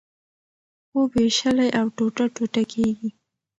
خوب وېشلی او ټوټه ټوټه کېږي.